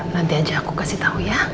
nanti aja aku kasih tau ya